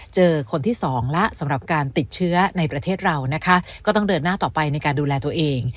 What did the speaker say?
เจอคนที่สองแล้วสำหรับการติดเชื้อในประเทศเรานะคะก็ต้องเดินหน้าต่อไปในการดูแลตัวเอง